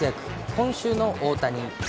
今週の大谷。